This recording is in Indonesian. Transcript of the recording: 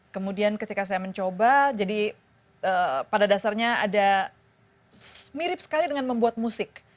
kemudian ketika saya mencoba jadi pada dasarnya ada mirip sekali dengan membuat musik